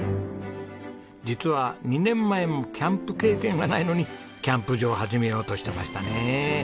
実は２年前もキャンプ経験がないのにキャンプ場を始めようとしてましたね。